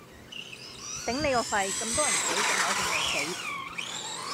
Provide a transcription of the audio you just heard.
頂你個肺，咁多人死隻鵝仲未死